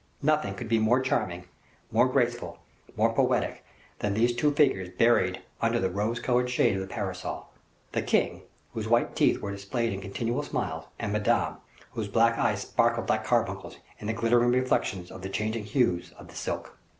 Nothing could be more charming, more graceful, more poetical, than these two figures buried under the rose colored shade of the parasol, the king, whose white teeth were displayed in continual smiles, and Madame, whose black eyes sparkled like carbuncles in the glittering reflection of the changing hues of the silk.